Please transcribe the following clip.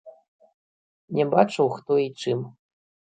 Не бачыў хто і чым.